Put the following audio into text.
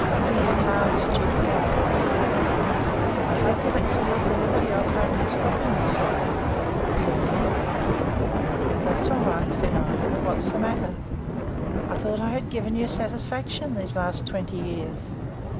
He had hard, stupid grey eyes. "I hope you 'll excuse the liberty I take in stopping you, sir," he said, civilly. "That's all right," said I. "What's the matter?" "I thought I had given you satisfaction these last twenty years."